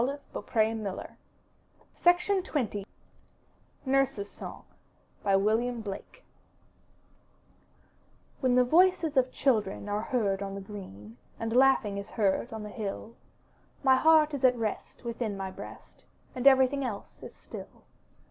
— Samuel T, Coleridge, 76 UP ONE PAIR OF STAIRS NURSE^S SONG William Blake When the voices of children are heard on the green, And laughing is heard on the hill, My heart is at rest within my breast, And everything else is still.